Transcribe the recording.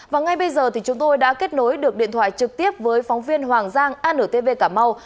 và ngay bây giờ thì chúng tôi đã kết nối được điện thoại trực tiếp với phóng viên hoàng giang antv cà mau